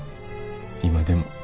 今でも。